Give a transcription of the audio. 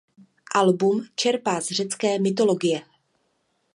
Album čerpá z řecké mytologie.